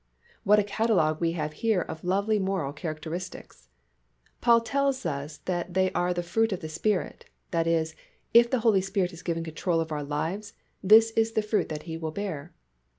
What a catalogue we have here of lovely moral characteristics. Paul tells us that they are the fruit of the Spirit, that is, if the Holy Spirit is given control of our lives, this is the fruit that He will bear.